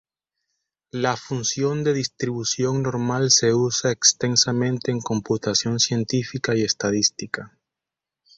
La función de distribución normal se usa extensamente en computación científica y estadística.